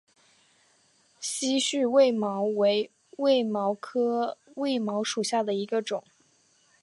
稀序卫矛为卫矛科卫矛属下的一个种。